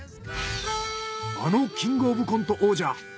あのキングオブコント王者